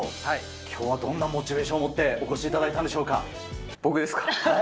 きょうはどんなモチベーションを持ってお越しいただいたんでしょ僕ですか？